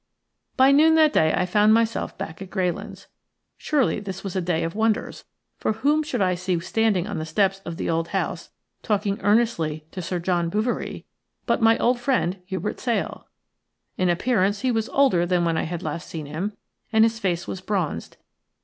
By noon that day I found myself back at Greylands. Surely this was a day of wonders, for whom should I see standing on the steps of the old house, talking earnestly to Sir John Bouverie, but my old friend, Hubert Sale. In appearance he was older than when I had last seen him, and his face was bronzed.